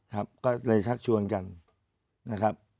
ครับก็เลยชักชวนกันนะครับ